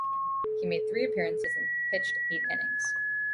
He made three appearances and pitched eight innings.